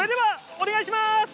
お願いします。